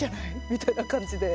みたいな感じで。